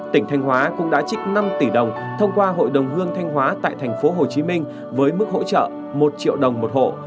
tỉnh thanh hóa cũng đã trích năm tỷ đồng thông qua hội đồng hương thanh hóa tại thành phố hồ chí minh với mức hỗ trợ một triệu đồng một hộ